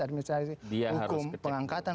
administrasi dia harus pengangkatan